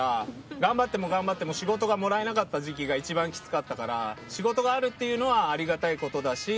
頑張っても頑張っても仕事をもらえない時期が一番きつかったから仕事があるというのはありがたいことだし。